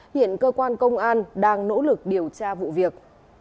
hiện cơ quan công an đang nỗ lực điều tra vụ việc